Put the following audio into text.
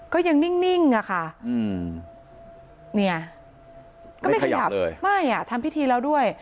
ก็ยังนิ่งอะค่ะเนี่ยก็ไม่ขยับเลยไม่อ่ะทำพิธีแล้วด้วย